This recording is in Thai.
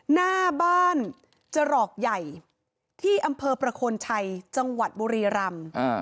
หน้าบ้านจรอกใหญ่ที่อำเภอประโคนชัยจังหวัดบุรีรำ